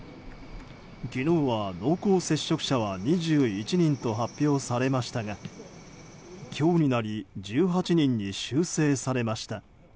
昨日は濃厚接触者は２１人と発表されましたが今日になり１８人に修正されました。